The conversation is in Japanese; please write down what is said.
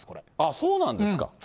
そうなんですか？